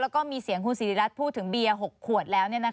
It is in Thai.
แล้วก็มีเสียงสีริรัสพูดถึงเบียร์ครับ๖ขวด